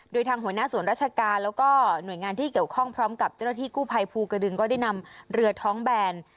โดยทางหัวหน้าส่วนราชการแล้วก็หน่วยงานที่เกี่ยวข้องพร้อมกับเจ้าหน้าที่กู้ภัยภูกระดึงก็ได้นำเรือท้องแบน